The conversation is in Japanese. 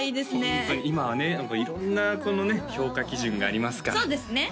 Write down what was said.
ホントに今はね色んなこのね評価基準がありますからそうですね